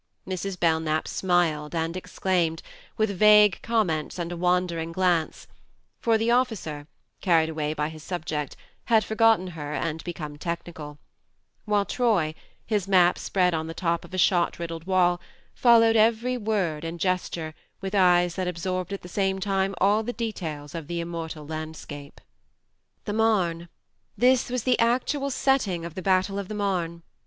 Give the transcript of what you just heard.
Mrs. Belknap smiled and exclaimed, with vague comments and a wandering glance (for the officer, carried away by 30 THE MARNE his subject, had forgotten her and become technical) ; while Troy, his map spread on the top of a shot riddled wall, followed every word and gesture with eyes that absorbed at the same time all the details of the immortal landscape. The Marne this was the actual setting of the battle of the Marne